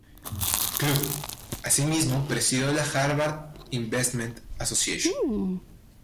Club, asimismo, presidió la Harvard Investment Association.